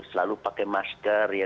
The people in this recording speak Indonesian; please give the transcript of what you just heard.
selalu pakai masker ya